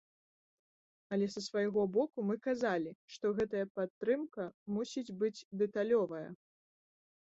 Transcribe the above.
Але са свайго боку мы казалі, што гэтая падтрымка мусіць быць дэталёвая.